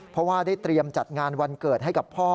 เพราะว่าได้เตรียมจัดงานวันเกิดให้กับพ่อ